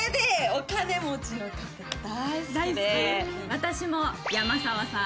私も山澤さん。